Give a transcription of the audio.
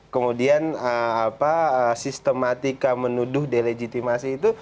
kemudian sistematika menuduh delegitimasi itu